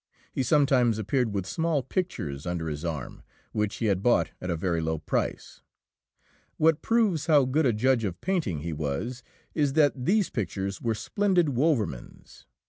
He sometimes appeared with small pictures under his arm, which he had bought at a very low price. What proves how good a judge of painting he was is that these pictures were splendid Wouvermans.